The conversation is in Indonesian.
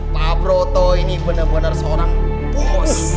pak broto ini bener bener seorang bos